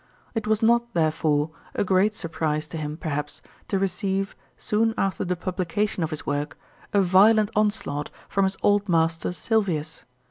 It was not, therefore, a great surprise to him, perhaps, to receive, soon after the publication of his work, a violent onslaught from his old master Sylvius.